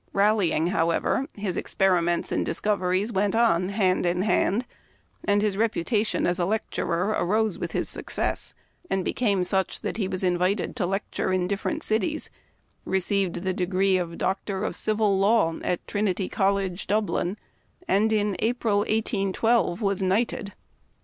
Rallying, however, his experiments and discoveries went on hand in hand, and his reputation as a lecturer arose with his success, and became such that he was invited to lecture in different cities, received the degree of Doctor of Civil Law at Trinity College, Dublin, and in April, 1812, was knighted.